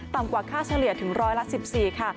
กว่าค่าเฉลี่ยถึงร้อยละ๑๔ค่ะ